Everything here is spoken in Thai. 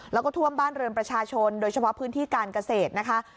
แล้วก็ท่วมบ้านเรือนประชาชนโดยเฉพาะพื้นที่การเกษตรนะคะ